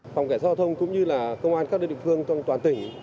phòng cảnh giao thông cũng như là công an các định phương toàn tỉnh